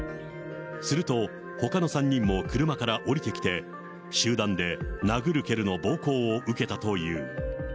すると、ほかの３人も車から降りてきて、集団で殴る蹴るの暴行を受けたという。